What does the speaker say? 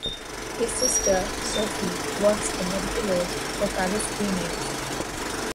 His sister, Sophie, works for Medical Aid for Palestinians.